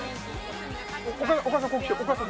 お母さんここ来てお母さん